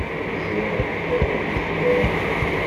Ziɣ d targit kan.